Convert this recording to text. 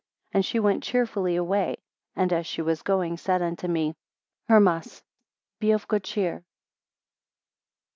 34 And she went cheerfully away; and as she was going, said unto me, Hermas, be of good cheer.